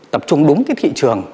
tập trung đúng cái thị trường